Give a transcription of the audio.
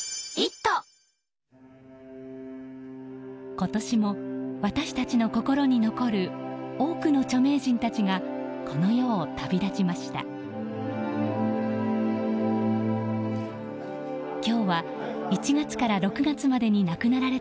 今年も私たちの心に残る多くの著名人たちがこの世を旅立ちました。